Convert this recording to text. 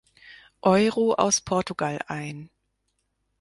Euro aus Portugal ein.